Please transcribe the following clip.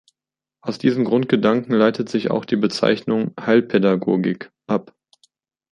Aus diesem Grundgedanken leitet sich auch die Bezeichnung ‚Heilpädagogik’ ab.